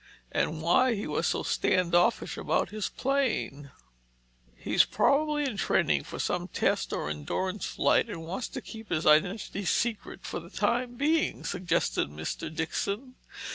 And why he was so standoffish about his plane?" "He's probably in training for some test or endurance flight and wants to keep his identity secret for the time being," suggested Mr. Dixon.